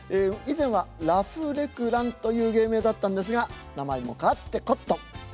以前はラフレクランという芸名だったんですが名前も変わってコットン。